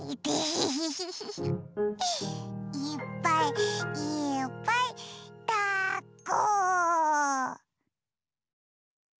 いっぱいいっぱいだっこ！